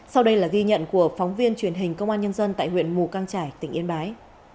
sau đây là ghi nhận của phóng viên truyền hình công an nhân dân tại huyện mù căng trải tỉnh yên bái